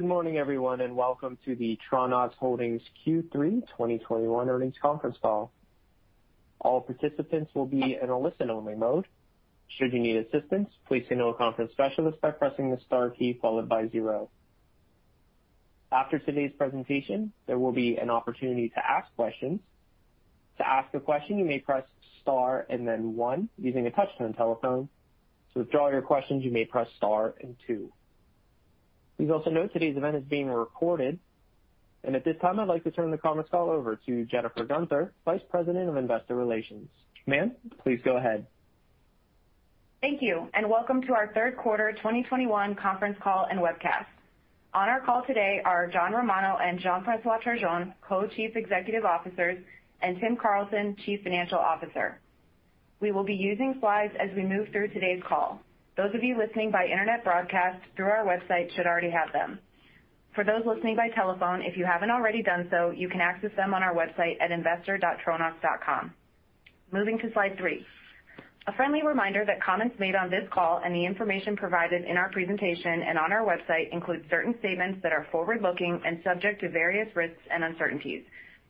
Good morning, everyone, and welcome to the Tronox Holdings Q3 2021 earnings conference call. All participants will be in a listen-only mode. Should you need assistance, please signal a conference specialist by pressing the Star key followed by zero. After today's presentation, there will be an opportunity to ask questions. To ask a question, you may press Star and then one using a touch-tone telephone. To withdraw your questions, you may press Star and two. Please also note today's event is being recorded. At this time, I'd like to turn the conference call over to Jennifer Guenther, Vice President of Investor Relations. Ma'am, please go ahead. Thank you, and welcome to our third quarter 2021 conference call and webcast. On our call today are John Romano and Jean-François Turgeon, Co-Chief Executive Officers, and Tim Carlson, Chief Financial Officer. We will be using Slides as we move through today's call. Those of you listening by internet broadcast through our website should already have them. For those listening by telephone, if you haven't already done so, you can access them on our website at investor.tronox.com. Moving to Slide three. A friendly reminder that comments made on this call and the information provided in our presentation and on our website include certain statements that are forward-looking and subject to various risks and uncertainties,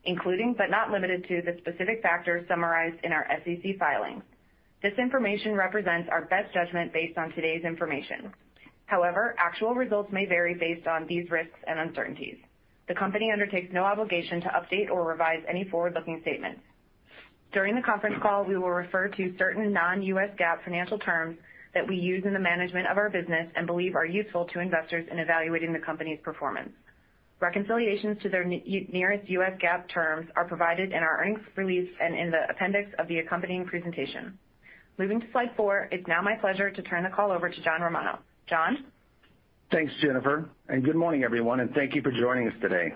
including, but not limited to, the specific factors summarized in our SEC filings. This information represents our best judgment based on today's information. However, actual results may vary based on these risks and uncertainties. The Company undertakes no obligation to update or revise any forward-looking statements. During the conference call, we will refer to certain non-U.S. GAAP financial terms that we use in the management of our business and believe are useful to investors in evaluating the company's performance. Reconciliations to their nearest U.S. GAAP terms are provided in our earnings release and in the appendix of the accompanying presentation. Moving to Slide four, it's now my pleasure to turn the call over to John Romano. John? Thanks, Jennifer, and good morning, everyone, and thank you for joining us today.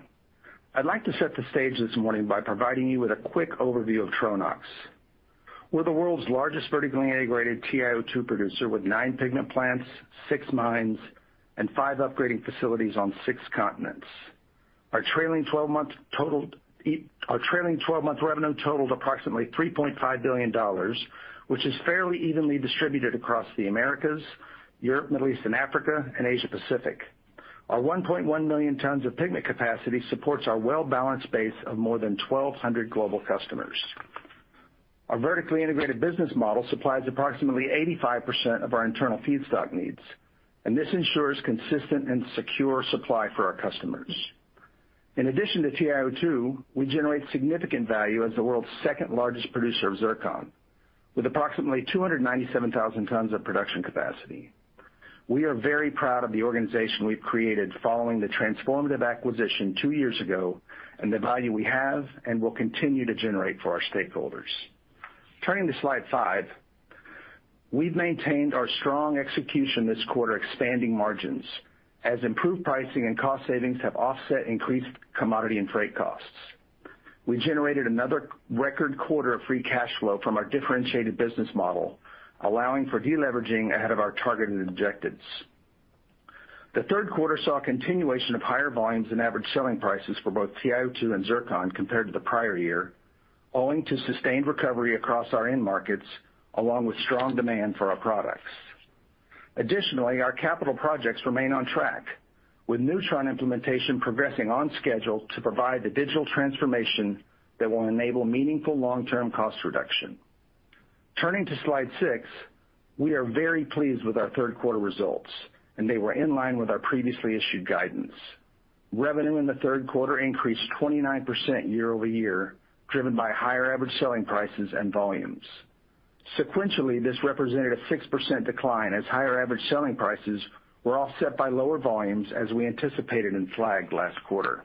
I'd like to set the stage this morning by providing you with a quick overview of Tronox. We're the world's largest vertically integrated TiO2 producer with nine pigment plants, six mines, and five upgrading facilities on six continents. Our trailing twelve-month revenue totaled approximately $3.5 billion, which is fairly evenly distributed across the Americas, Europe, Middle East and Africa, and Asia Pacific. Our 1.1 million tons of pigment capacity supports our well-balanced base of more than 1,200 global customers. Our vertically integrated business model supplies approximately 85% of our internal feedstock needs, and this ensures consistent and secure supply for our customers. In addition to TiO2, we generate significant value as the world's second-largest producer of zircon, with approximately 297,000 tons of production capacity. We are very proud of the organization we've created following the transformative acquisition two years ago and the value we have and will continue to generate for our stakeholders. Turning to Slide five, we've maintained our strong execution this quarter, expanding margins as improved pricing and cost savings have offset increased commodity and freight costs. We generated another record quarter of free cash flow from our differentiated business model, allowing for deleveraging ahead of our targeted objectives. The third quarter saw a continuation of higher volumes and average selling prices for both TiO2 and zircon compared to the prior year, owing to sustained recovery across our end markets, along with strong demand for our products. Additionally, our capital projects remain on track, with newTRON implementation progressing on schedule to provide the digital transformation that will enable meaningful long-term cost reduction. Turning to Slide six, we are very pleased with our third quarter results, and they were in line with our previously issued guidance. Revenue in the third quarter increased 29% year-over-year, driven by higher average selling prices and volumes. Sequentially, this represented a 6% decline as higher average selling prices were offset by lower volumes, as we anticipated and flagged last quarter.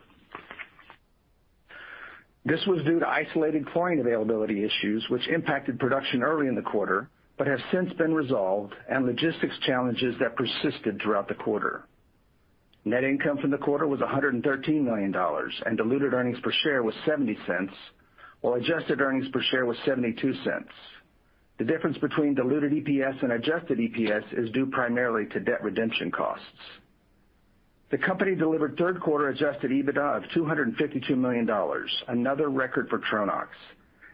This was due to isolated chlorine availability issues, which impacted production early in the quarter, but have since been resolved, and logistics challenges that persisted throughout the quarter. Net income from the quarter was $113 million, and diluted earnings per share was $0.70, while adjusted earnings per share was $0.72. The difference between diluted EPS and adjusted EPS is due primarily to debt redemption costs. The company delivered third quarter adjusted EBITDA of $252 million, another record for Tronox,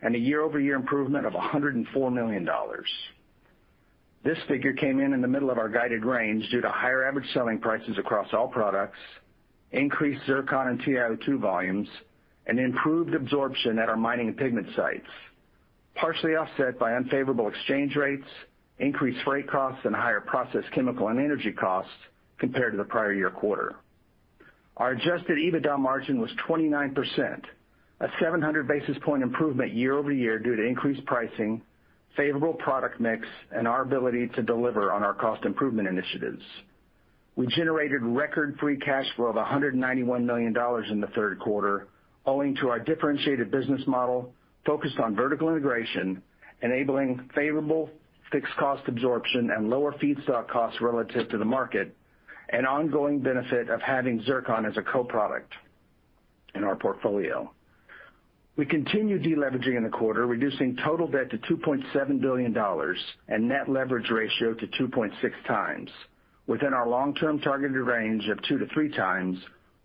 and a year-over-year improvement of $104 million. This figure came in in the middle of our guided range due to higher average selling prices across all products, increased zircon and TiO2 volumes, and improved absorption at our mining and pigment sites, partially offset by unfavorable exchange rates, increased freight costs, and higher processed chemical and energy costs compared to the prior year quarter. Our adjusted EBITDA margin was 29%, a 700 basis point improvement year-over-year due to increased pricing, favorable product mix, and our ability to deliver on our cost improvement initiatives. We generated record free cash flow of $191 million in the third quarter, owing to our differentiated business model focused on vertical integration, enabling favorable fixed cost absorption and lower feedstock costs relative to the market, an ongoing benefit of having zircon as a co-product in our portfolio. We continued deleveraging in the quarter, reducing total debt to $2.7 billion and net leverage ratio to 2.6 times within our long-term targeted range of 2-3 times,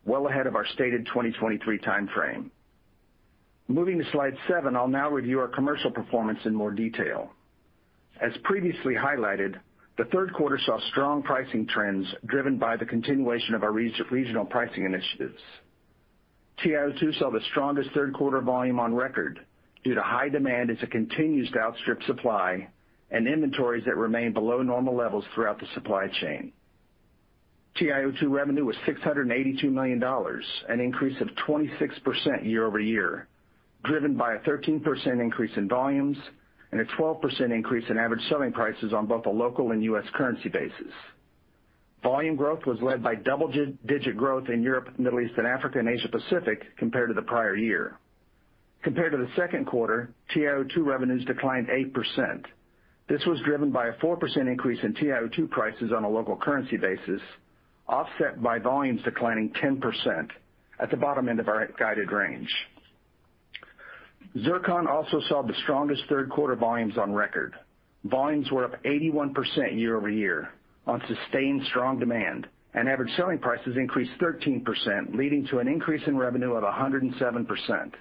well ahead of our stated 2023 timeframe. Moving to Slide seven. I'll now review our commercial performance in more detail. As previously highlighted, the third quarter saw strong pricing trends driven by the continuation of our regional pricing initiatives. TiO2 saw the strongest third quarter volume on record due to high demand as it continues to outstrip supply and inventories that remain below normal levels throughout the supply chain. TiO2 revenue was $682 million, an increase of 26% year over year, driven by a 13% increase in volumes and a 12% increase in average selling prices on both a local and U.S. currency basis. Volume growth was led by double-digit growth in Europe, Middle East and Africa, and Asia-Pacific compared to the prior year. Compared to the second quarter, TiO2 revenues declined 8%. This was driven by a 4% increase in TiO2 prices on a local currency basis, offset by volumes declining 10% at the bottom end of our guided range. Zircon also saw the strongest third quarter volumes on record. Volumes were up 81% year-over-year on sustained strong demand, and average selling prices increased 13%, leading to an increase in revenue of 107%.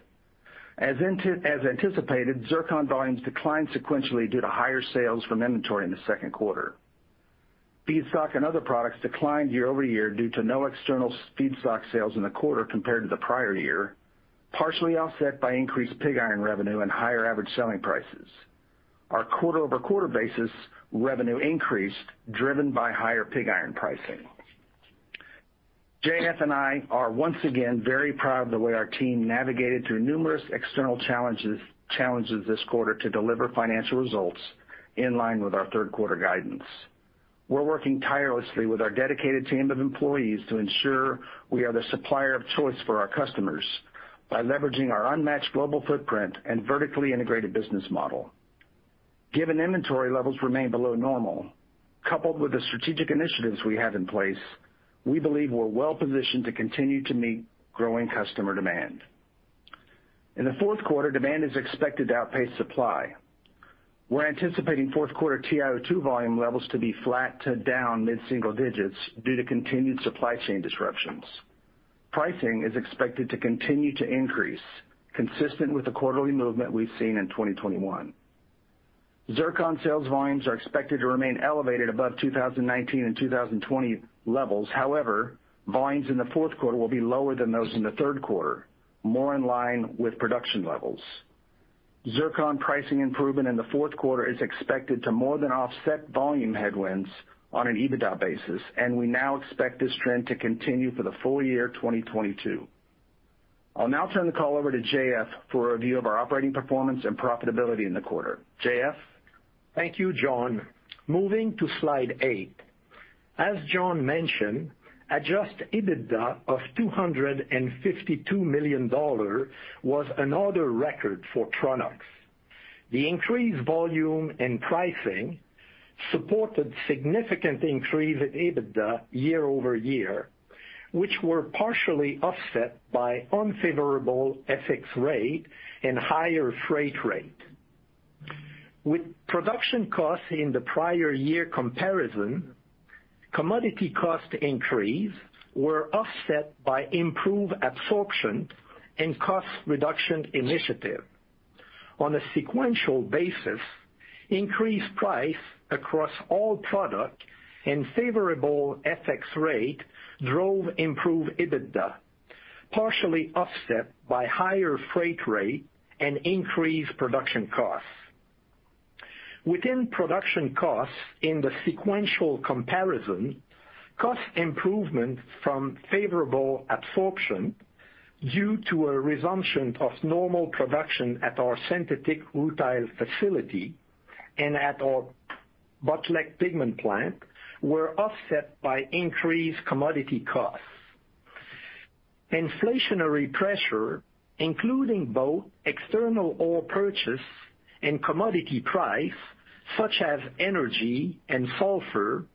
As anticipated, zircon volumes declined sequentially due to higher sales from inventory in the second quarter. Feedstock and other products declined year-over-year due to no external feedstock sales in the quarter compared to the prior year, partially offset by increased pig iron revenue and higher average selling prices. Our quarter-over-quarter basis revenue increased, driven by higher pig iron pricing. J.F. and I are once again very proud of the way our team navigated through numerous external challenges this quarter to deliver financial results in line with our third quarter guidance. We're working tirelessly with our dedicated team of employees to ensure we are the supplier of choice for our customers by leveraging our unmatched global footprint and vertically integrated business model. Given inventory levels remain below normal, coupled with the strategic initiatives we have in place, we believe we're well-positioned to continue to meet growing customer demand. In the fourth quarter, demand is expected to outpace supply. We're anticipating fourth quarter TiO2 volume levels to be flat to down mid-single digits due to continued supply chain disruptions. Pricing is expected to continue to increase, consistent with the quarterly movement we've seen in 2021. Zircon sales volumes are expected to remain elevated above 2019 and 2020 levels. However, volumes in the fourth quarter will be lower than those in the third quarter, more in line with production levels. zircon pricing improvement in the fourth quarter is expected to more than offset volume headwinds on an EBITDA basis, and we now expect this trend to continue for the full year 2022. I'll now turn the call over to J.F. for a review of our operating performance and profitability in the quarter. J.F.? Thank you, John. Moving to Slide eight. As John mentioned, adjusted EBITDA of $252 million was another record for Tronox. The increased volume and pricing supported significant increase in EBITDA year-over-year, which were partially offset by unfavorable FX rate and higher freight rate. Within production costs in the prior year comparison, commodity cost increase were offset by improved absorption and cost reduction initiative. On a sequential basis, increased price across all product and favorable FX rate drove improved EBITDA, partially offset by higher freight rate and increased production costs. Within production costs in the sequential comparison, cost improvement from favorable absorption due to a resumption of normal production at our synthetic rutile facility and at our Botlek pigment plant were offset by increased commodity costs. Inflationary pressures, including both external oil purchases and commodity prices, such as energy and sulfur,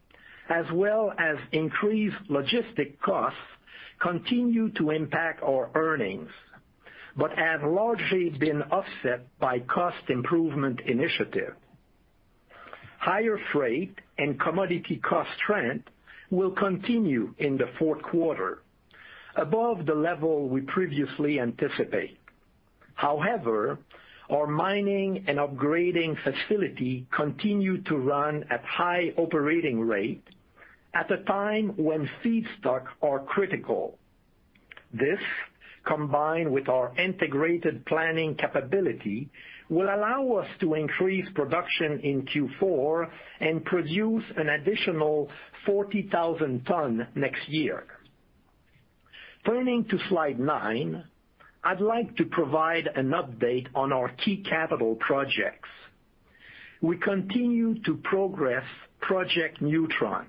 as well as increased logistics costs, continue to impact our earnings, but have largely been offset by cost improvement initiatives. Higher freight and commodity cost trends will continue in the fourth quarter above the level we previously anticipated. However, our mining and upgrading facilities continue to run at high operating rates at a time when feedstocks are critical. This, combined with our integrated planning capability, will allow us to increase production in Q4 and produce an additional 40,000 tons next year. Turning to Slide nine. I'd like to provide an update on our key capital projects. We continue to progress Project newTRON,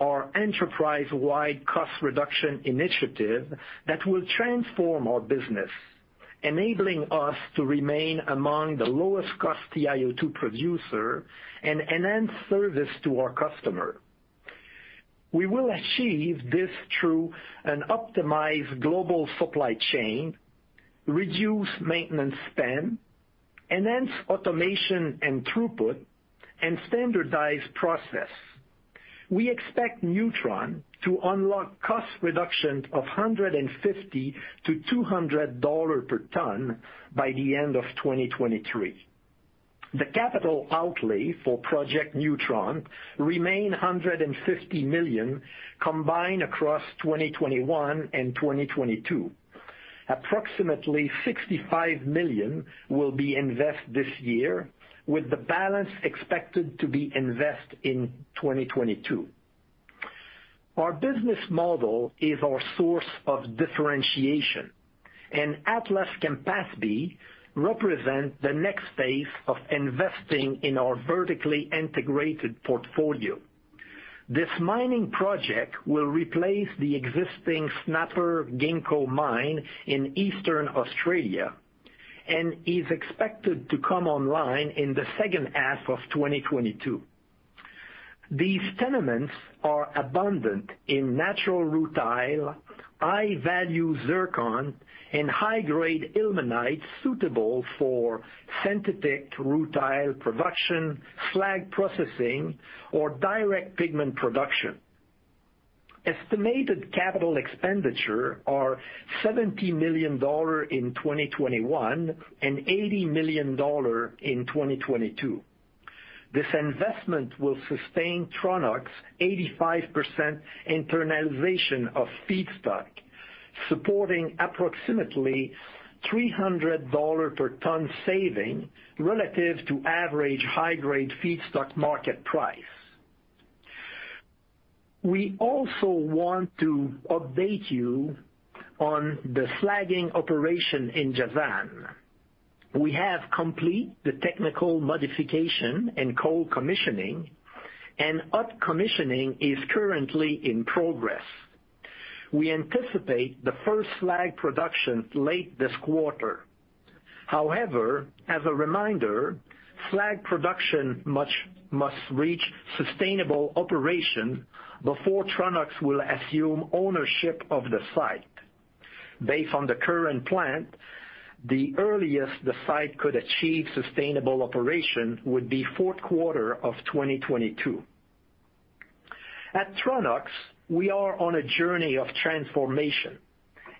our enterprise-wide cost reduction initiative that will transform our business, enabling us to remain among the lowest cost TiO2 producers and enhance service to our customers. We will achieve this through an optimized global supply chain, reduce maintenance spend, enhance automation and throughput, and standardize process. We expect newTRON to unlock cost reduction of $150-$200 per ton by the end of 2023. The capital outlay for Project newTRON remain $150 million combined across 2021 and 2022. Approximately $65 million will be invest this year, with the balance expected to be invest in 2022. Our business model is our source of differentiation, and Atlas-Campaspe represent the next phase of investing in our vertically integrated portfolio. This mining project will replace the existing Snapper Ginkgo mine in Eastern Australia and is expected to come online in the second half of 2022. These tenements are abundant in natural rutile, high-value zircon, and high-grade ilmenite suitable for synthetic rutile production, slag processing, or direct pigment production. Estimated capital expenditures are $70 million in 2021 and $80 million in 2022. This investment will sustain Tronox 85% internalization of feedstock, supporting approximately $300 per ton saving relative to average high-grade feedstock market price. We also want to update you on the slag operation in Jazan. We have completed the technical modification and cold commissioning, and hot commissioning is currently in progress. We anticipate the first slag production late this quarter. However, as a reminder, slag production must reach sustainable operation before Tronox will assume ownership of the site. Based on the current plan, the earliest the site could achieve sustainable operation would be fourth quarter of 2022. At Tronox, we are on a journey of transformation,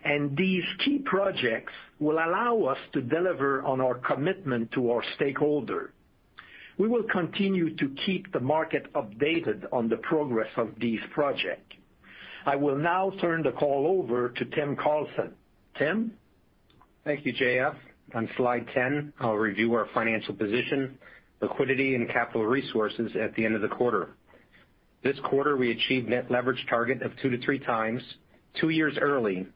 and these key projects will allow us to deliver on our commitment to our stakeholder. We will continue to keep the market updated on the progress of these projects. I will now turn the call over to Tim Carlson. Tim? Thank you, J.F. On Slide 10, I'll review our financial position, liquidity, and capital resources at the end of the quarter. This quarter, we achieved net leverage target of 2-3 times, two years early,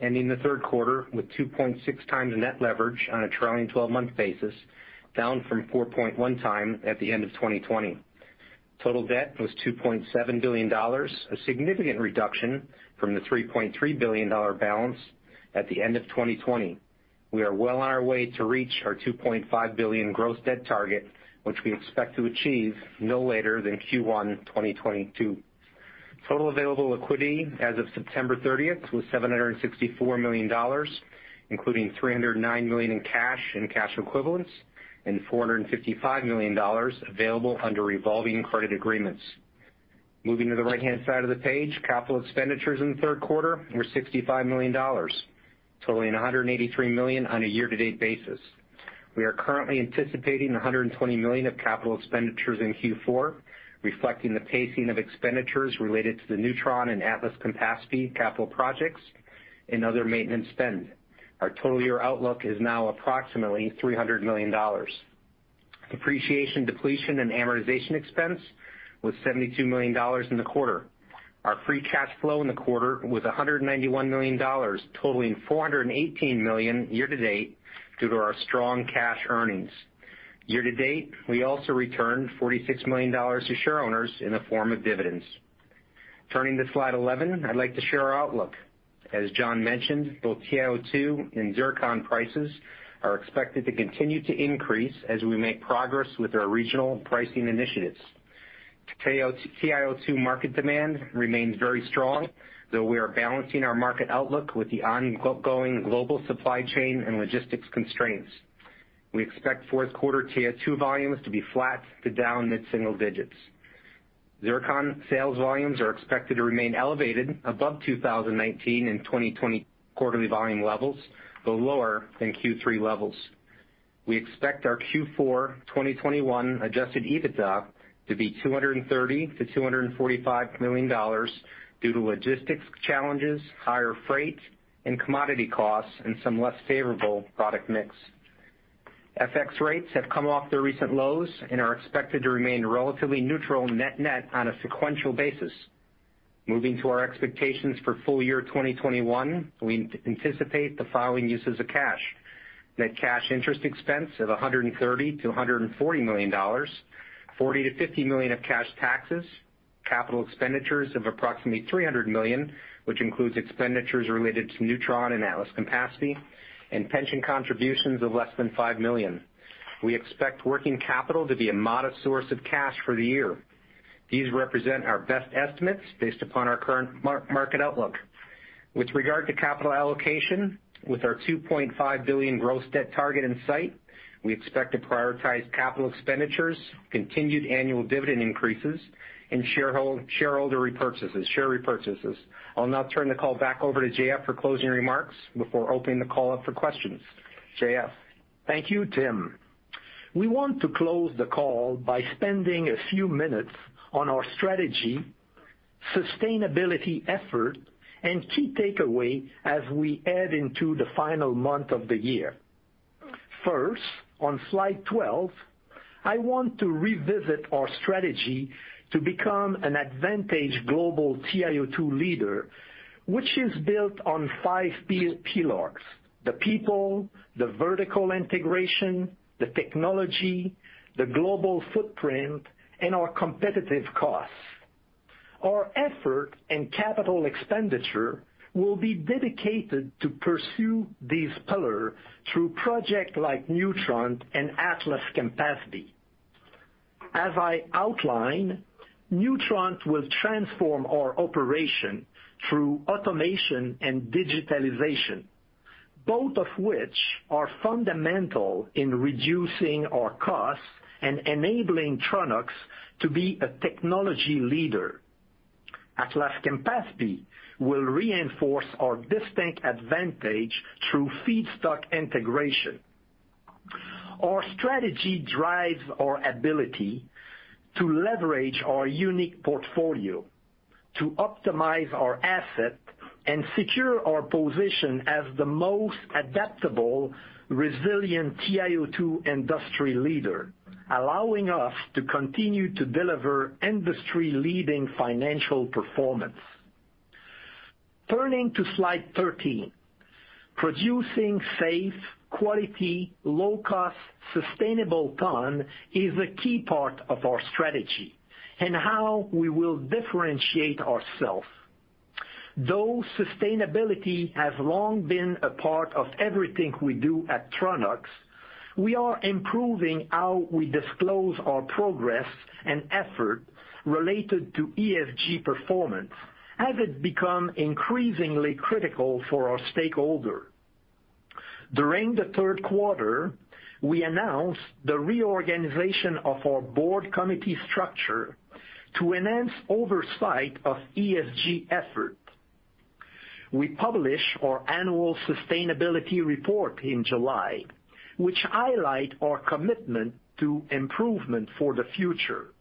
ending the third quarter with 2.6 times the net leverage on a trailing twelve-month basis, down from 4.1 times at the end of 2020. Total debt was $2.7 billion, a significant reduction from the $3.3 billion balance at the end of 2020. We are well on our way to reach our $2.5 billion gross debt target, which we expect to achieve no later than Q1 2022. Total available liquidity as of September 30 was $764 million, including $309 million in cash and cash equivalents, and $455 million available under revolving credit agreements. Moving to the right-hand side of the page, capital expenditures in the third quarter were $65 million, totaling $183 million on a year-to-date basis. We are currently anticipating $120 million of capital expenditures in Q4, reflecting the pacing of expenditures related to the newTRON and Atlas-Campaspe capital projects and other maintenance spend. Our total year outlook is now approximately $300 million. Depreciation, depletion, and amortization expense was $72 million in the quarter. Our free cash flow in the quarter was $191 million, totaling $418 million year to date due to our strong cash earnings. Year to date, we also returned $46 million to shareowners in the form of dividends. Turning to Slide 11, I'd like to share our outlook. As John mentioned, both TiO2 and zircon prices are expected to continue to increase as we make progress with our regional pricing initiatives. TiO2 market demand remains very strong, though we are balancing our market outlook with the ongoing global supply chain and logistics constraints. We expect fourth quarter TiO2 volumes to be flat to down mid-single digits. Zircon sales volumes are expected to remain elevated above 2019 and 2020 quarterly volume levels, though lower than Q3 levels. We expect our Q4 2021 adjusted EBITDA to be $230 million-$245 million due to logistics challenges, higher freight and commodity costs, and some less favorable product mix. FX rates have come off their recent lows and are expected to remain relatively neutral net-net on a sequential basis. Moving to our expectations for full year 2021, we anticipate the following uses of cash. Net cash interest expense of $130 million-$140 million, $40 million-$50 million of cash taxes, capital expenditures of approximately $300 million, which includes expenditures related to newTRON and Atlas-Campaspe, and pension contributions of less than $5 million. We expect working capital to be a modest source of cash for the year. These represent our best estimates based upon our current market outlook. With regard to capital allocation, with our $2.5 billion gross debt target in sight, we expect to prioritize capital expenditures, continued annual dividend increases, and shareholder repurchases, share repurchases. I'll now turn the call back over to J.F. for closing remarks before opening the call up for questions. J.F.? Thank you, Tim. We want to close the call by spending a few minutes on our strategy, sustainability effort, and key takeaway as we head into the final month of the year. First, on Slide 12, I want to revisit our strategy to become an advantaged global TiO2 leader, which is built on five pillars: the people, the vertical integration, the technology, the global footprint, and our competitive costs. Our effort and capital expenditure will be dedicated to pursue these pillars through projects like newTRON and Atlas-Campaspe. As I outlined, newTRON will transform our operation through automation and digitalization, both of which are fundamental in reducing our costs and enabling Tronox to be a technology leader. Atlas-Campaspe will reinforce our distinct advantage through feedstock integration. Our strategy drives our ability to leverage our unique portfolio to optimize our assets and secure our position as the most adaptable, resilient TiO2 industry leader, allowing us to continue to deliver industry-leading financial performance. Turning to Slide 13. Producing safe, quality, low cost, sustainable tons is a key part of our strategy and how we will differentiate ourselves. Though sustainability has long been a part of everything we do at Tronox, we are improving how we disclose our progress and efforts related to ESG performance as it becomes increasingly critical for our stakeholders. During the third quarter, we announced the reorganization of our board committee structure to enhance oversight of ESG efforts. We published our annual sustainability report in July, which highlights our commitment to improvement for the future,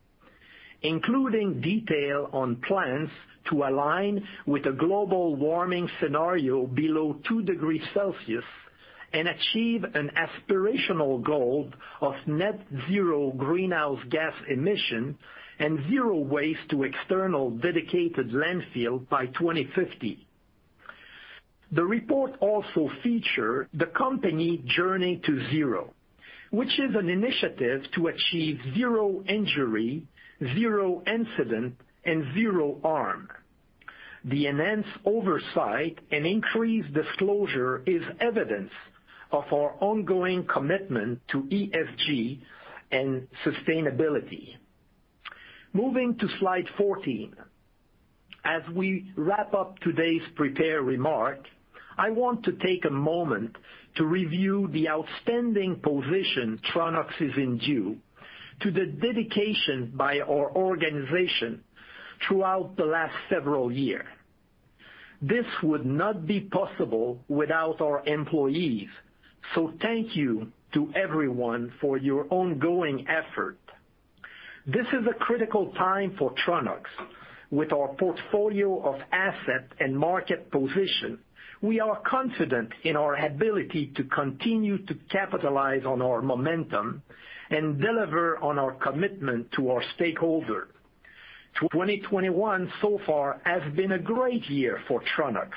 including details on plans to align with a global warming scenario below 2 degrees Celsius and achieve an aspirational goal of net zero greenhouse gas emissions and zero waste to external dedicated landfill by 2050. The report also features the company Journey to Zero, which is an initiative to achieve zero injury, zero incident, and zero harm. The enhanced oversight and increased disclosure are evidence of our ongoing commitment to ESG and sustainability. Moving to Slide 14. As we wrap up today's prepared remarks, I want to take a moment to review the outstanding position Tronox is in due to the dedication by our organization throughout the last several years. This would not be possible without our employees, so thank you to everyone for your ongoing efforts. This is a critical time for Tronox. With our portfolio of assets and market position, we are confident in our ability to continue to capitalize on our momentum and deliver on our commitment to our stakeholders. 2021 so far has been a great year for Tronox.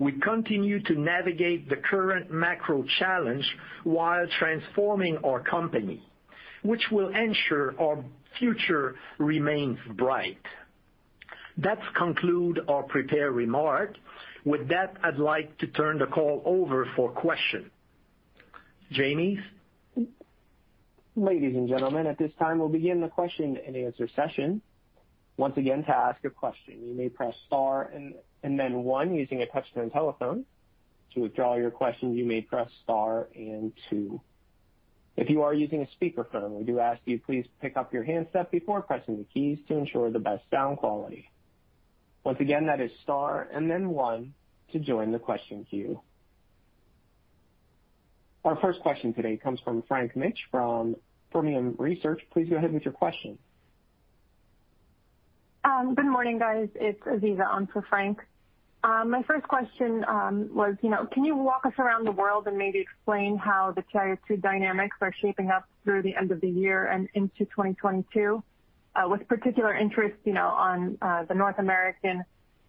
We continue to navigate the current macro challenges while transforming our company, which will ensure our future remains bright. That concludes our prepared remarks. With that, I'd like to turn the call over for questions. Jamie? Ladies and gentlemen, at this time, we'll begin the question and answer session. Once again, to ask a question, you may press Star and then one using a touch-tone telephone. To withdraw your question, you may press Star and two. If you are using a speakerphone, we do ask you please pick up your handset before pressing the keys to ensure the best sound quality. Once again, that is Star and then one to join the question queue. Our first question today comes from Frank Mitsch from Fermium Research. Please go ahead with your question. Good morning, guys. It's Aziza on for Frank. My first question was, you know, can you walk us around the world and maybe explain how the TiO2 dynamics are shaping up through the end of the year and into 2022, with particular interest, you know, on the North American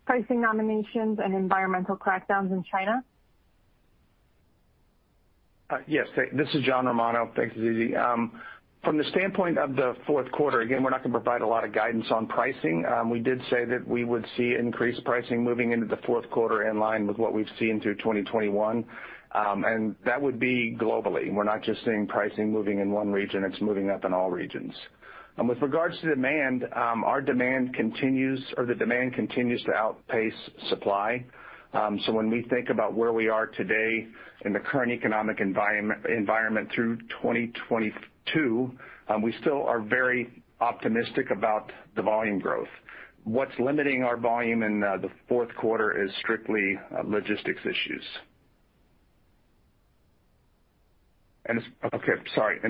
pricing nominations and environmental crackdowns in China? Yes, this is John Romano. Thanks, Zizi. From the standpoint of the fourth quarter, again, we're not gonna provide a lot of guidance on pricing. We did say that we would see increased pricing moving into the fourth quarter in line with what we've seen through 2021, and that would be globally. We're not just seeing pricing moving in one region, it's moving up in all regions. With regards to demand, the demand continues to outpace supply. So when we think about where we are today in the current economic environment through 2022, we still are very optimistic about the volume growth. What's limiting our volume in the fourth quarter is strictly logistics issues.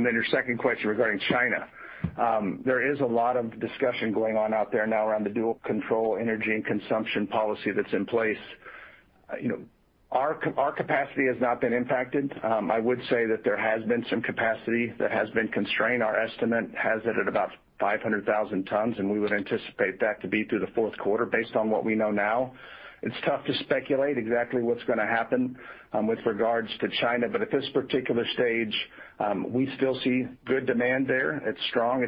Then your second question regarding China. There is a lot of discussion going on out there now around the dual control energy consumption policy that's in place. You know, our capacity has not been impacted. I would say that there has been some capacity that has been constrained. Our estimate has it at about 500,000 tons, and we would anticipate that to be through the fourth quarter based on what we know now. It's tough to speculate exactly what's gonna happen with regards to China, but at this particular stage, we still see good demand there. It's strong.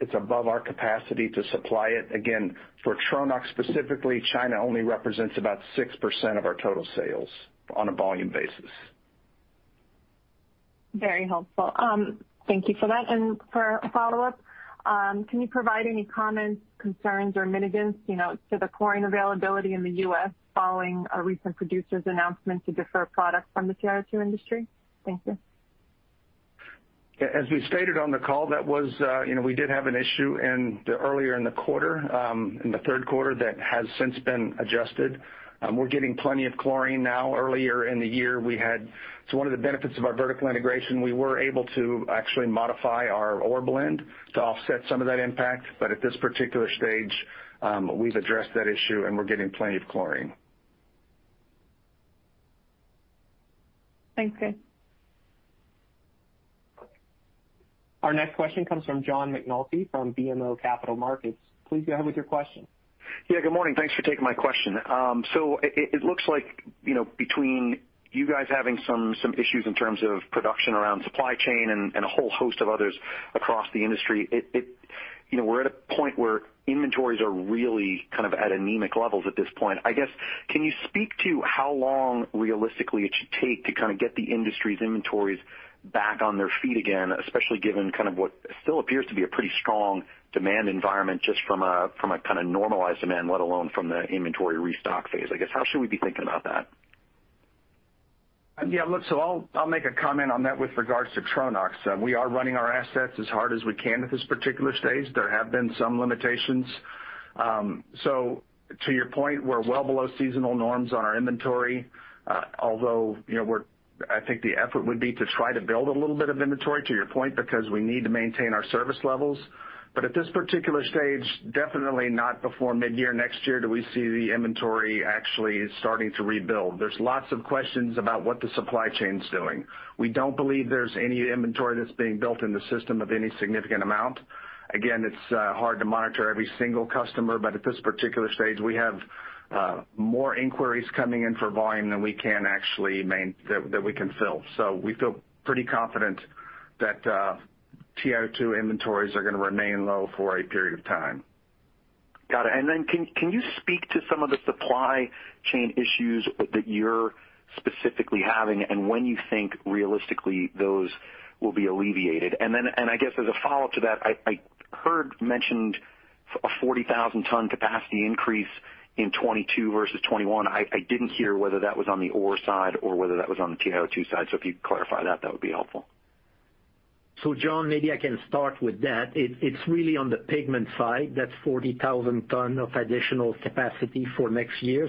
It's above our capacity to supply it. Again, for Tronox specifically, China only represents about 6% of our total sales on a volume basis. Very helpful. Thank you for that. For a follow-up, can you provide any comments, concerns, or mitigants, you know, to the chlorine availability in the U.S. following a recent producer's announcement to defer products from the TiO2 industry? Thank you. Yeah, as we stated on the call, that was. We did have an issue earlier in the quarter, in the third quarter that has since been adjusted. We're getting plenty of chlorine now. Earlier in the year, one of the benefits of our vertical integration, we were able to actually modify our ore blend to offset some of that impact. At this particular stage, we've addressed that issue, and we're getting plenty of chlorine. Thanks, guys. Our next question comes from John McNulty from BMO Capital Markets. Please go ahead with your question. Yeah, good morning. Thanks for taking my question. It looks like, you know, between you guys having some issues in terms of production around supply chain and a whole host of others across the industry, you know, we're at a point where inventories are really kind of at anemic levels at this point. I guess, can you speak to how long realistically it should take to kind of get the industry's inventories back on their feet again, especially given kind of what still appears to be a pretty strong demand environment just from a kind of normalized demand, let alone from the inventory restock phase? I guess, how should we be thinking about that? Yeah, look, I'll make a comment on that with regards to Tronox. We are running our assets as hard as we can at this particular stage. There have been some limitations. To your point, we're well below seasonal norms on our inventory, although, you know, I think the effort would be to try to build a little bit of inventory, to your point, because we need to maintain our service levels. At this particular stage, definitely not before mid-year next year, do we see the inventory actually starting to rebuild. There's lots of questions about what the supply chain's doing. We don't believe there's any inventory that's being built in the system of any significant amount. Again, it's hard to monitor every single customer, but at this particular stage, we have more inquiries coming in for volume than we can actually fill. So we feel pretty confident that TiO2 inventories are gonna remain low for a period of time. Got it. Can you speak to some of the supply chain issues that you're specifically having and when you think realistically those will be alleviated? I guess as a follow-up to that, I heard mentioned a 40,000-ton capacity increase in 2022 versus 2021. I didn't hear whether that was on the ore side or whether that was on the TiO2 side. If you could clarify that would be helpful. John, maybe I can start with that. It's really on the pigment side, that's 40,000 tons of additional capacity for next year.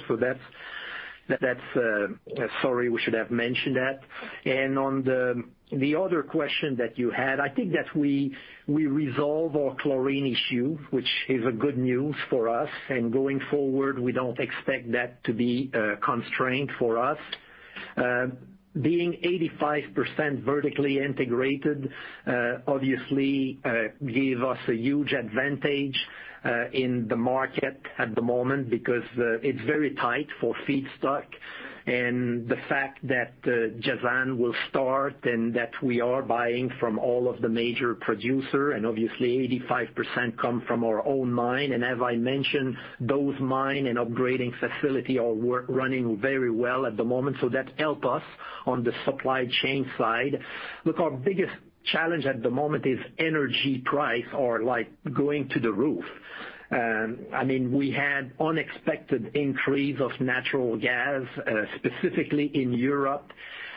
Sorry, we should have mentioned that. On the other question that you had, I think that we resolve our chlorine issue, which is good news for us. Going forward, we don't expect that to be a constraint for us. Being 85% vertically integrated obviously gives us a huge advantage in the market at the moment because it's very tight for feedstock. The fact that Jazan will start and that we are buying from all of the major producers and obviously 85% comes from our own mine. As I mentioned, those mines and upgrading facilities are running very well at the moment, so that helps us on the supply chain side. Look, our biggest challenge at the moment is energy prices are like going through the roof. I mean, we had unexpected increases in natural gas, specifically in Europe,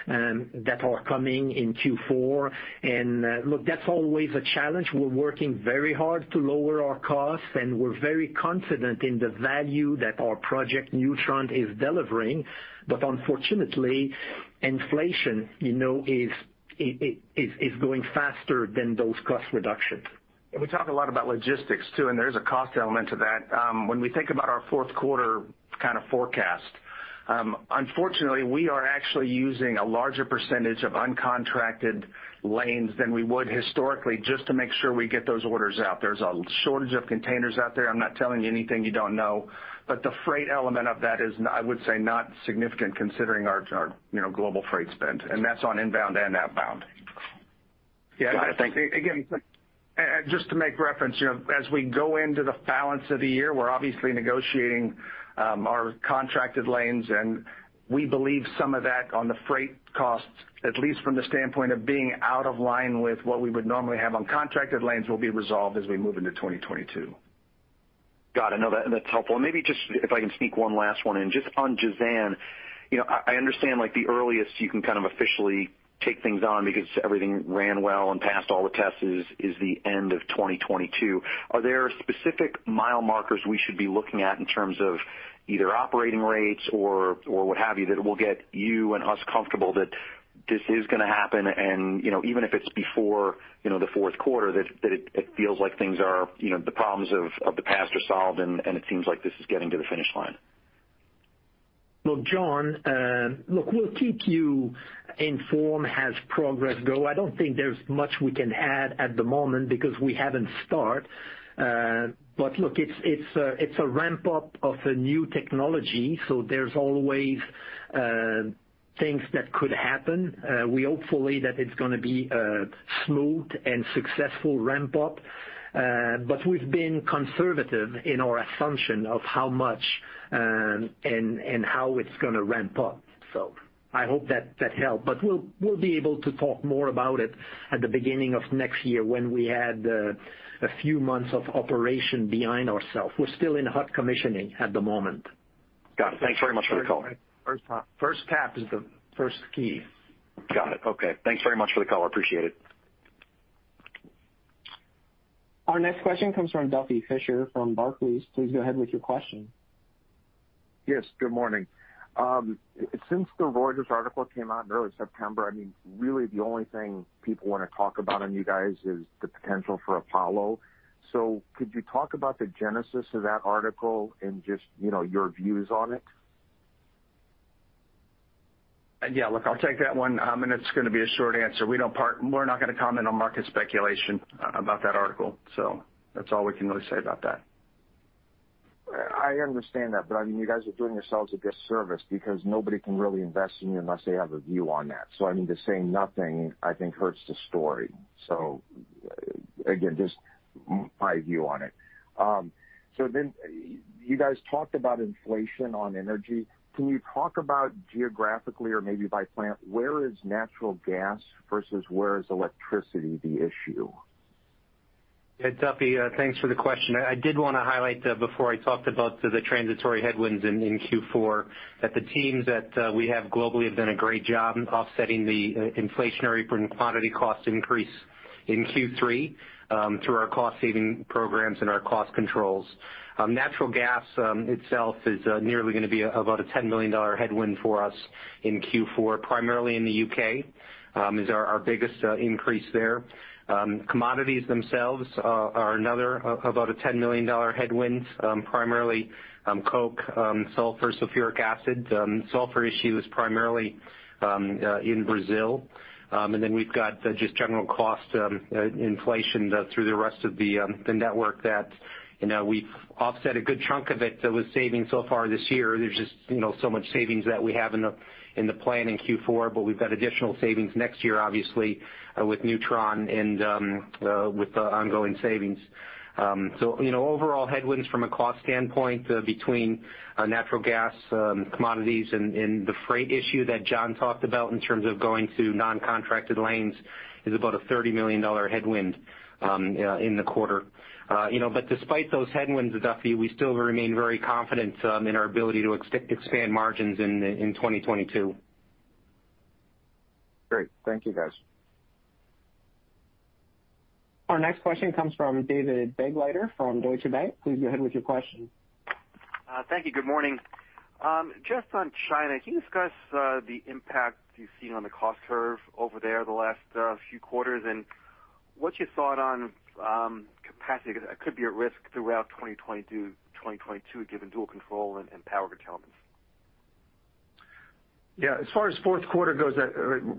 that are coming in Q4. Look, that's always a challenge. We're working very hard to lower our costs, and we're very confident in the value that our Project newTRON is delivering. Unfortunately, inflation, you know, is going faster than those cost reductions. We talk a lot about logistics too, and there is a cost element to that. When we think about our fourth quarter kind of forecast, unfortunately, we are actually using a larger percentage of uncontracted lanes than we would historically just to make sure we get those orders out. There's a shortage of containers out there. I'm not telling you anything you don't know. The freight element of that is, I would say, not significant considering our, you know, global freight spend, and that's on inbound and outbound. Yeah. Again, just to make reference, you know, as we go into the balance of the year, we're obviously negotiating our contracted lanes, and we believe some of that on the freight costs, at least from the standpoint of being out of line with what we would normally have on contracted lanes, will be resolved as we move into 2022. Got it. No, that's helpful. Maybe just if I can sneak one last one in. Just on Jazan, you know, I understand like the earliest you can kind of officially take things on because everything ran well and passed all the tests is the end of 2022. Are there specific mile markers we should be looking at in terms of either operating rates or what have you, that will get you and us comfortable that this is gonna happen and, you know, even if it's before, you know, the fourth quarter that it feels like things are, you know, the problems of the past are solved and it seems like this is getting to the finish line? Look, John, we'll keep you informed as progress goes. I don't think there's much we can add at the moment because we haven't started. But look, it's a ramp-up of a new technology, so there's always things that could happen. We hopefully that it's gonna be a smooth and successful ramp-up. But we've been conservative in our assumption of how much and how it's gonna ramp up. So I hope that helped. We'll be able to talk more about it at the beginning of next year when we have a few months of operation behind ourselves. We're still in hot commissioning at the moment. Got it. Thanks very much for the call. First tap is the first key. Got it. Okay. Thanks very much for the call. Appreciate it. Our next question comes from Duffy Fischer from Barclays. Please go ahead with your question. Yes, good morning. Since the Reuters article came out in early September, I mean, really the only thing people wanna talk about on you guys is the potential for Apollo. Could you talk about the genesis of that article and just, you know, your views on it? Yeah. Look, I'll take that one, and it's gonna be a short answer. We're not gonna comment on market speculation about that article. That's all we can really say about that. I understand that. I mean, you guys are doing yourselves a disservice because nobody can really invest in you unless they have a view on that. I mean, to say nothing I think hurts the story. Again, just my view on it. Then you guys talked about inflation on energy. Can you talk about geographically or maybe by plant, where is natural gas versus where is electricity the issue? Yeah, Duffy, thanks for the question. I did wanna highlight before I talked about the transitory headwinds in Q4 that the teams that we have globally have done a great job offsetting the inflationary quantity cost increase in Q3 through our cost saving programs and our cost controls. Natural gas itself is nearly gonna be about a $10 million headwind for us in Q4, primarily in the U.K., is our biggest increase there. Commodities themselves are another about a $10 million headwinds, primarily coke, sulfur, sulfuric acid. Sulfur issue is primarily in Brazil. We've got just general cost inflation through the rest of the network that, you know, we offset a good chunk of it with savings so far this year. There's just, you know, so much savings that we have in the plan in Q4, but we've got additional savings next year, obviously, with newTRON and with the ongoing savings. You know, overall headwinds from a cost standpoint between natural gas, commodities and the freight issue that John talked about in terms of going to non-contracted lanes is about a $30 million headwind in the quarter. You know, but despite those headwinds, Duffy, we still remain very confident in our ability to expand margins in 2022. Great. Thank you, guys. Our next question comes from David Begleiter from Deutsche Bank. Please go ahead with your question. Thank you. Good morning. Just on China, can you discuss the impact you've seen on the cost curve over there the last few quarters, and what's your thought on capacity that could be at risk throughout 2020 to 2022 given dual control and power curtailment? Yeah. As far as fourth quarter goes,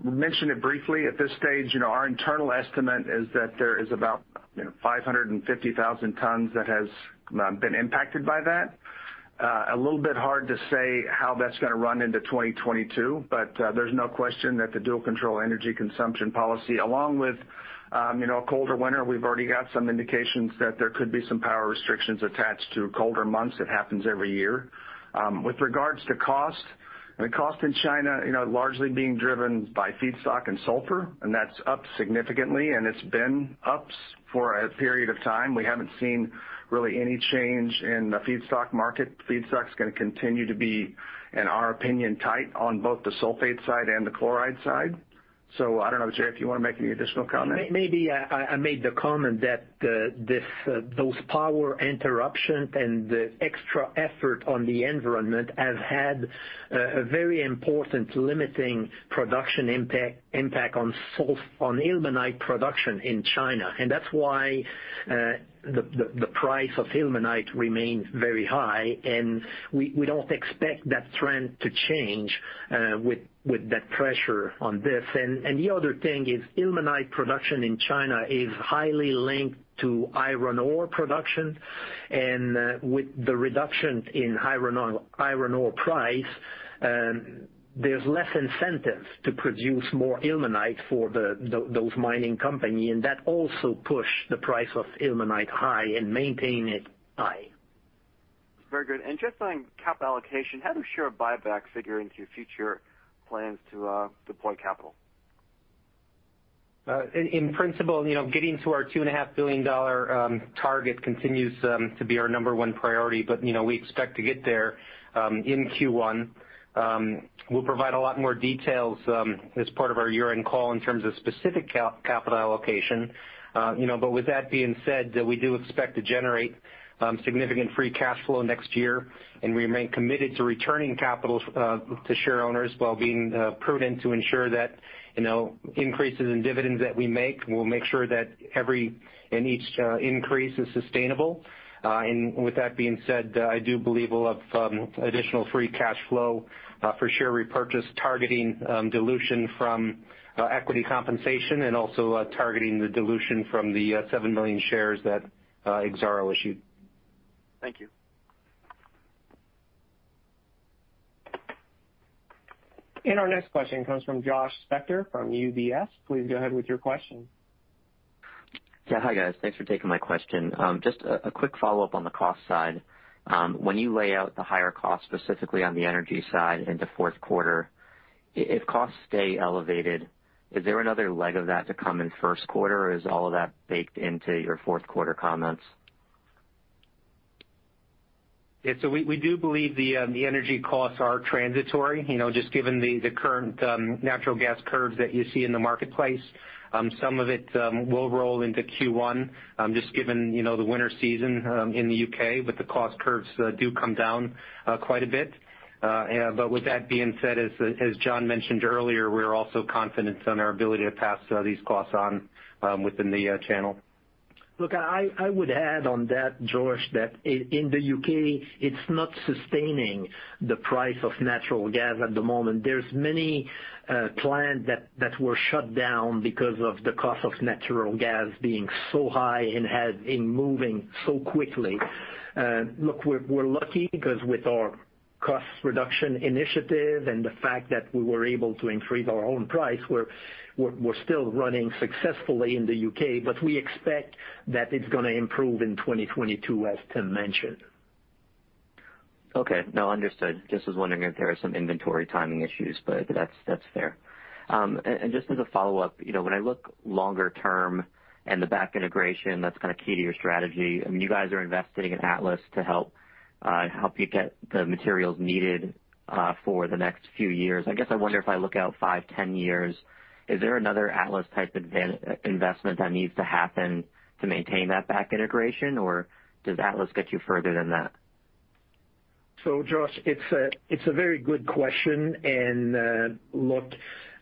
we mentioned it briefly at this stage. You know, our internal estimate is that there is about, you know, 550,000 tons that has been impacted by that. A little bit hard to say how that's gonna run into 2022, but there's no question that the Dual Control Energy Consumption Policy along with, you know, a colder winter, we've already got some indications that there could be some power restrictions attached to colder months. It happens every year. With regards to cost, the cost in China, you know, largely being driven by feedstock and sulfur, and that's up significantly, and it's been up for a period of time. We haven't seen really any change in the feedstock market. Feedstock's gonna continue to be, in our opinion, tight on both the sulfate side and the chloride side. I don't know, Jean, if you wanna make any additional comments. Maybe I made the comment that those power interruption and the extra effort on the environment have had a very important limiting production impact on ilmenite production in China. That's why the price of ilmenite remains very high, and we don't expect that trend to change with that pressure on this. The other thing is ilmenite production in China is highly linked to iron ore production. With the reduction in iron ore price, there's less incentive to produce more ilmenite for those mining company, and that also push the price of ilmenite high and maintain it high. Very good. Just on capital allocation, how does share buyback figure into your future plans to deploy capital? In principle, you know, getting to our $2.5 billion target continues to be our number one priority, but you know, we expect to get there in Q1. We'll provide a lot more details as part of our year-end call in terms of specific capital allocation. You know, with that being said, that we do expect to generate significant free cash flow next year, and remain committed to returning capital to shareowners while being prudent to ensure that, you know, increases in dividends that we make, we'll make sure that every and each increase is sustainable. With that being said, I do believe we'll have additional free cash flow for share repurchase, targeting dilution from equity compensation and also targeting the dilution from the seven million shares that Exxaro issued. Thank you. Our next question comes from Josh Spector from UBS. Please go ahead with your question. Yeah. Hi, guys. Thanks for taking my question. Just a quick follow-up on the cost side. When you lay out the higher costs, specifically on the energy side into fourth quarter, if costs stay elevated, is there another leg of that to come in first quarter, or is all of that baked into your fourth quarter comments? Yeah. We do believe the energy costs are transitory, you know, just given the current natural gas curves that you see in the marketplace. Some of it will roll into Q1, just given, you know, the winter season in the U.K., but the cost curves do come down quite a bit. With that being said, as John mentioned earlier, we're also confident on our ability to pass these costs on within the channel. Look, I would add on that, Josh, that in the U.K., it's not sustaining the price of natural gas at the moment. There's many plants that were shut down because of the cost of natural gas being so high and had in moving so quickly. Look, we're lucky because with our cost reduction initiative and the fact that we were able to increase our own price, we're still running successfully in the U.K., but we expect that it's gonna improve in 2022, as Tim mentioned. Okay. Now understood. Just was wondering if there are some inventory timing issues, but that's fair. And just as a follow-up, you know, when I look longer term and the back integration, that's kind of key to your strategy. I mean, you guys are investing in Atlas-Campaspe to help you get the materials needed for the next few years. I guess I wonder if I look out five, 10 years, is there another Atlas-Campaspe-type investment that needs to happen to maintain that back integration, or does Atlas-Campaspe get you further than that? Josh, it's a very good question, and look,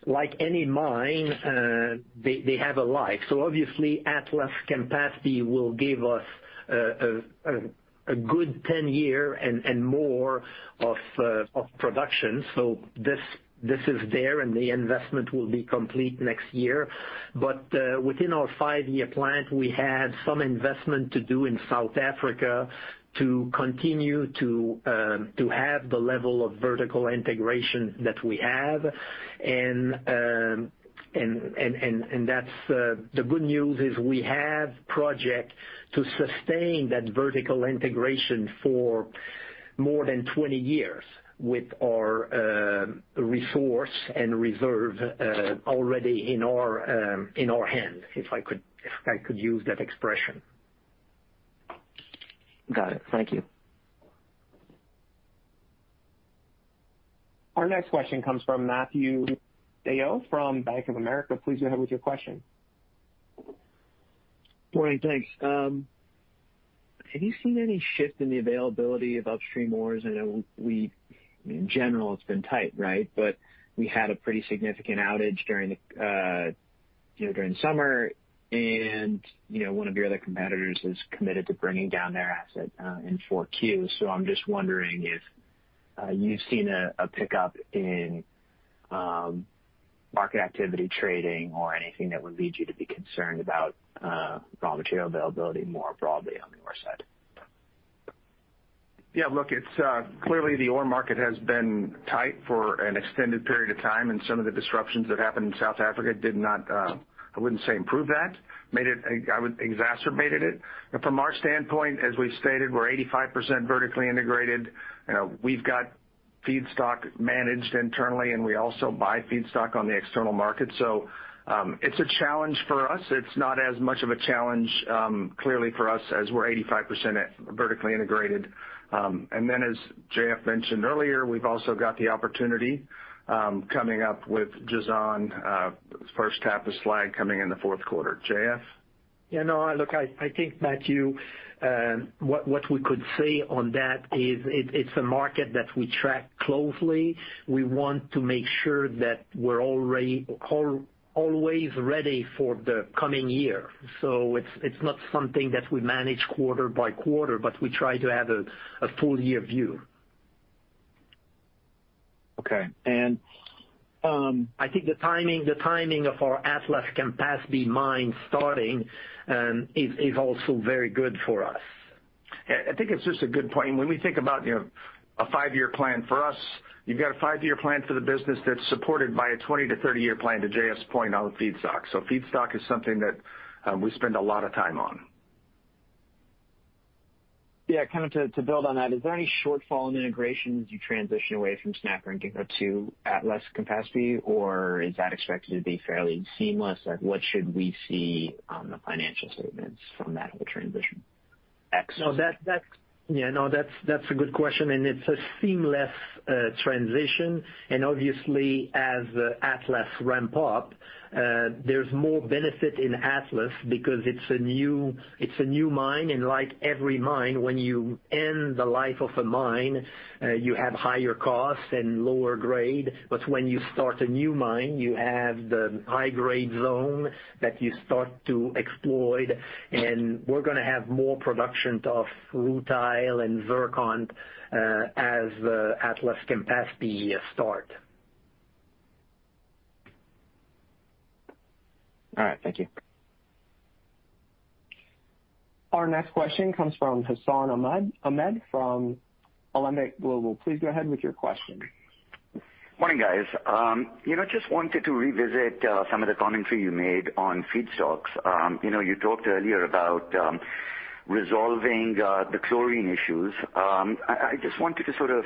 like any mine, they have a life. Obviously, Atlas-Campaspe capacity will give us a good 10-year and more of production. This is there, and the investment will be complete next year. Within our five-year plan, we have some investment to do in South Africa to continue to have the level of vertical integration that we have. That's the good news is we have project to sustain that vertical integration for more than 20 years with our resource and reserve already in our hand, if I could use that expression. Got it. Thank you. Our next question comes from Matthew DeYoe from Bank of America. Please go ahead with your question. Morning. Thanks. Have you seen any shift in the availability of upstream ores? I know we, in general, it's been tight, right? We had a pretty significant outage during summer and, you know, one of your other competitors is committed to bringing down their asset in 4Q. I'm just wondering if you've seen a pickup in market activity trading or anything that would lead you to be concerned about raw material availability more broadly on the ore side. Yeah. Look, it's clearly the ore market has been tight for an extended period of time, and some of the disruptions that happened in South Africa did not improve that, I wouldn't say. It exacerbated it. From our standpoint, as we've stated, we're 85% vertically integrated. You know, we've got feedstock managed internally, and we also buy feedstock on the external market. It's a challenge for us. It's not as much of a challenge clearly for us as we're 85% vertically integrated. As J.F. mentioned earlier, we've also got the opportunity coming up with Jazan, first half of supply coming in the fourth quarter. J.F.? Yeah. No, look, I think, Matthew, what we could say on that is it's a market that we track closely. We want to make sure that we're already always ready for the coming year. It's not something that we manage quarter by quarter, but we try to have a full year view. Okay. I think the timing of our Atlas-Campaspe capacity mine starting is also very good for us. Yeah. I think it's just a good point. When we think about, you know, a 5-year plan for us, you've got a 5-year plan for the business that's supported by a 20-30 year plan, to J.F.'s point, on feedstock. Feedstock is something that we spend a lot of time on. Yeah, kind of to build on that, is there any shortfall in integration as you transition away from Snapper and Ginkgo to Atlas-Campaspe capacity? Or is that expected to be fairly seamless? Like, what should we see on the financial statements from that whole transition? Excellent. No, that's a good question, and it's a seamless transition. Obviously as Atlas-Campaspe ramp up, there's more benefit in Atlas-Campaspe because it's a new mine. Like every mine, when you end the life of a mine, you have higher costs and lower grade. But when you start a new mine, you have the high grade zone that you start to exploit. We're gonna have more production of rutile and zircon as Atlas-Campaspe capacity start. All right. Thank you. Our next question comes from Hassan Ahmed from Alembic Global. Please go ahead with your question. Morning, guys. You know, just wanted to revisit some of the commentary you made on feedstocks. You know, you talked earlier about resolving the chlorine issues. I just wanted to sort of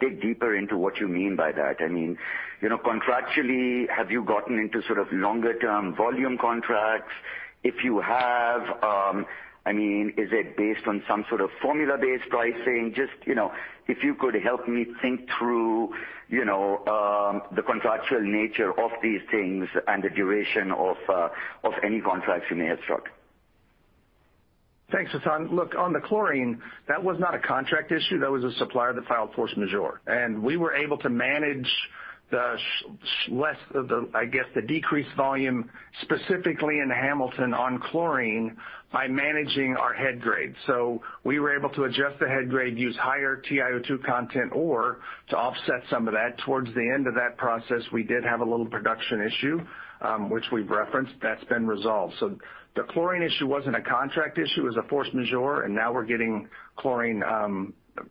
dig deeper into what you mean by that. I mean, you know, contractually, have you gotten into sort of longer term volume contracts? If you have, I mean, is it based on some sort of formula-based pricing? Just, you know, if you could help me think through, you know, the contractual nature of these things and the duration of any contracts you may have struck. Thanks, Hassan. Look, on the chlorine, that was not a contract issue. That was a supplier that filed force majeure, and we were able to manage the shortfall, I guess, the decreased volume specifically in Hamilton on chlorine by managing our head grade. We were able to adjust the head grade, use higher TiO2 content ore to offset some of that. Towards the end of that process, we did have a little production issue, which we've referenced. That's been resolved. The chlorine issue wasn't a contract issue. It was a force majeure. And now we're getting chlorine,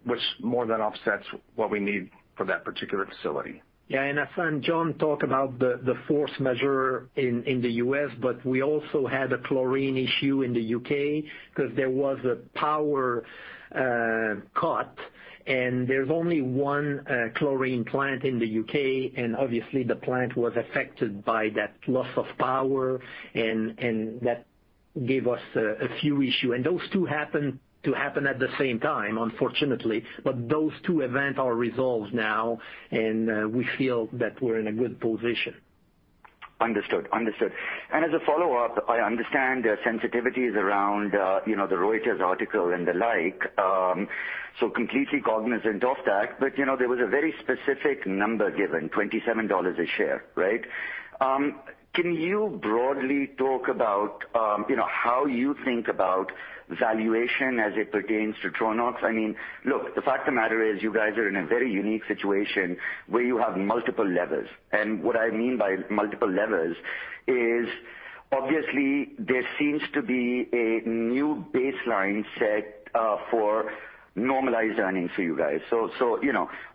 which more than offsets what we need for that particular facility. Yeah. Hassan, John talked about the force majeure in the U.S., but we also had a chlorine issue in the U.K. 'cause there was a power cut, and there's only one chlorine plant in the U.K. Obviously the plant was affected by that loss of power and that gave us a few issue. Those two happened to happen at the same time, unfortunately. Those two event are resolved now, and we feel that we're in a good position. Understood. As a follow-up, I understand the sensitivities around the Reuters article and the like, so completely cognizant of that. There was a very specific number given, $27 a share, right? Can you broadly talk about how you think about valuation as it pertains to Tronox? I mean, look, the fact of the matter is you guys are in a very unique situation where you have multiple levers. What I mean by multiple levers is obviously there seems to be a new baseline set for normalized earnings for you guys.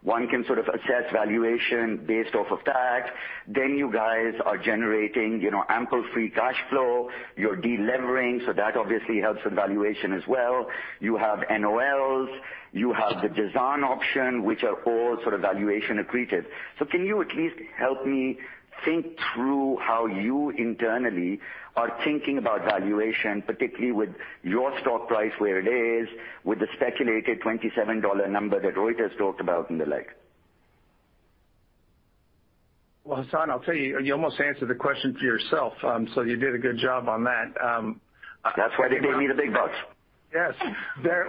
One can sort of assess valuation based off of that. You guys are generating ample free cash flow. You're de-levering, so that obviously helps the valuation as well. You have NOLs, you have the Jazan option, which are all sort of valuation accretive. Can you at least help me think through how you internally are thinking about valuation, particularly with your stock price, where it is with the speculated $27 number that Reuters talked about and the like? Well, Hassan, I'll tell you almost answered the question for yourself. You did a good job on that. That's why they pay me the big bucks. Yes.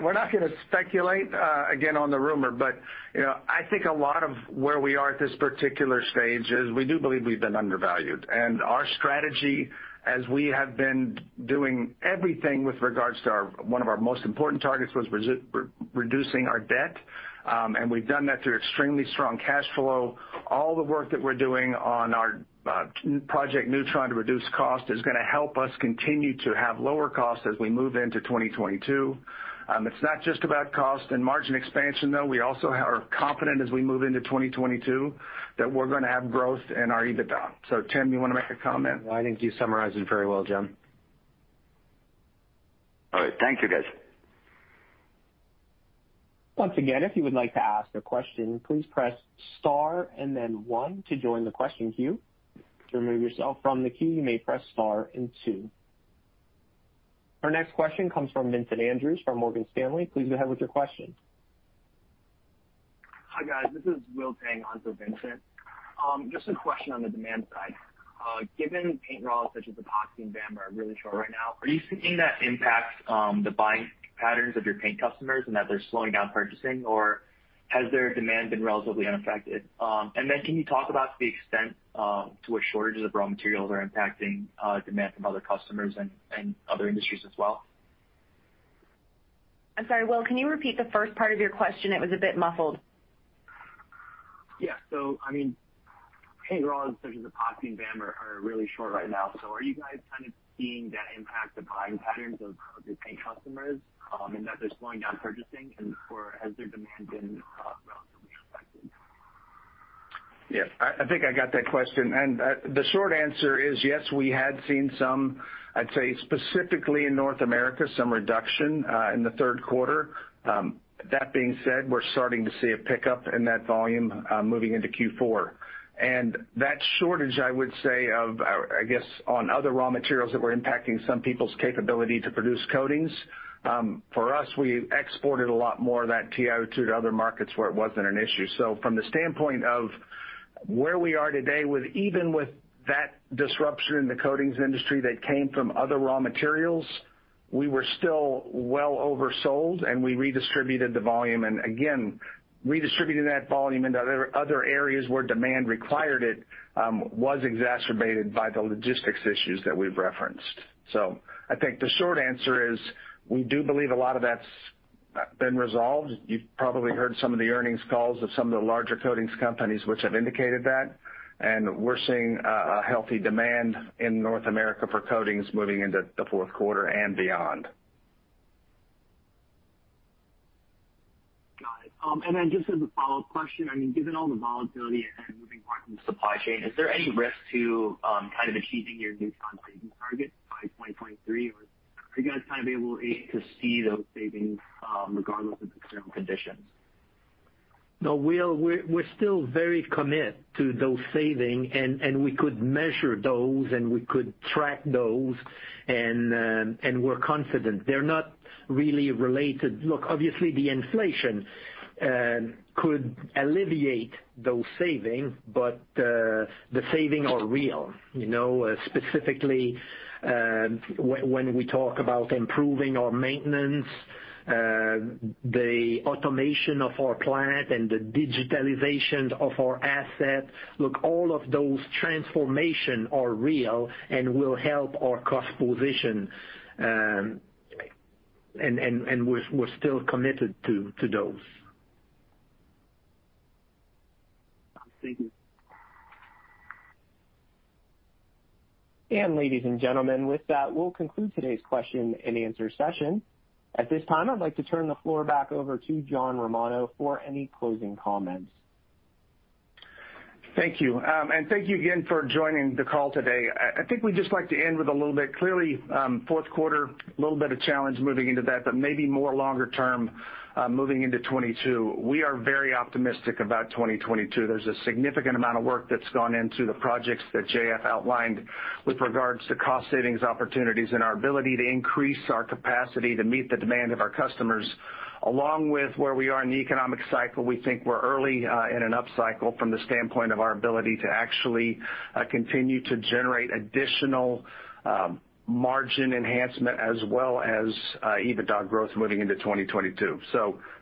We're not gonna speculate again on the rumor, but you know, I think a lot of where we are at this particular stage is we do believe we've been undervalued. Our strategy, as we have been doing everything with regards to one of our most important targets, was reducing our debt. We've done that through extremely strong cash flow. All the work that we're doing on our Project newTRON to reduce cost is gonna help us continue to have lower costs as we move into 2022. It's not just about cost and margin expansion, though. We also are confident as we move into 2022 that we're gonna have growth in our EBITDA. Tim, you wanna make a comment? No, I think you summarized it very well, John. All right. Thank you, guys. Once again, if you would like to ask a question, please press Star and then one to join the question queue. To remove yourself from the queue, you may press Star and two. Our next question comes from Vincent Andrews from Morgan Stanley. Please go ahead with your question. Hi, guys. This is Will Tang onto Vincent. Just a question on the demand side. Given paint raws such as epoxy and VAM are really short right now, are you seeing that impact the buying patterns of your paint customers and that they're slowing down purchasing? Or has their demand been relatively unaffected? And then can you talk about the extent to which shortages of raw materials are impacting demand from other customers and other industries as well? I'm sorry, Will, can you repeat the first part of your question? It was a bit muffled. Yeah. I mean, paint raws such as epoxy and VAM are really short right now. Are you guys kind of seeing that impact the buying patterns of your paint customers, and that they're slowing down purchasing or has their demand been relatively- Yeah, I think I got that question. The short answer is yes, we had seen some, I'd say specifically in North America, some reduction in the third quarter. That being said, we're starting to see a pickup in that volume moving into Q4. That shortage, I would say, of, I guess, on other raw materials that were impacting some people's capability to produce coatings, for us, we exported a lot more of that TiO2 to other markets where it wasn't an issue. From the standpoint of where we are today, even with that disruption in the coatings industry that came from other raw materials, we were still well oversold, and we redistributed the volume. Again, redistributing that volume into other areas where demand required it was exacerbated by the logistics issues that we've referenced. I think the short answer is we do believe a lot of that's been resolved. You've probably heard some of the earnings calls of some of the larger coatings companies which have indicated that. We're seeing a healthy demand in North America for coatings moving into the fourth quarter and beyond. Got it. Just as a follow-up question, I mean, given all the volatility and moving parts in the supply chain, is there any risk to kind of achieving your new cost-saving target by 2023? Or are you guys kinda able to see those savings regardless of the external conditions? No, we're still very committed to those savings, and we could measure those, and we could track those, and we're confident. They're not really related. Look, obviously the inflation could eliminate those savings, but the savings are real. You know, specifically, when we talk about improving our maintenance, the automation of our plant and the digitalization of our assets. Look, all of those transformations are real and will help our cost position. We're still committed to those. Thank you. Ladies and gentlemen, with that, we'll conclude today's question-and-answer session. At this time, I'd like to turn the floor back over to John Romano for any closing comments. Thank you. Thank you again for joining the call today. I think we'd just like to end with a little bit. Clearly, fourth quarter, a little bit of challenge moving into that, but maybe more longer term, moving into 2022. We are very optimistic about 2022. There's a significant amount of work that's gone into the projects that J.F. outlined with regards to cost savings opportunities and our ability to increase our capacity to meet the demand of our customers. Along with where we are in the economic cycle, we think we're early in an upcycle from the standpoint of our ability to actually continue to generate additional margin enhancement as well as EBITDA growth moving into 2022.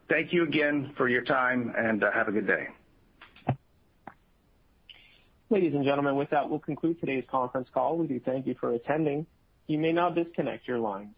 Thank you again for your time, and have a good day. Ladies and gentlemen, with that, we'll conclude today's conference call. We do thank you for attending. You may now disconnect your line.